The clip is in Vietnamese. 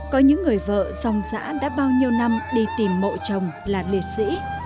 có những người vợ dòng giã đã bao nhiêu năm đi tìm mộ chồng là liệt sĩ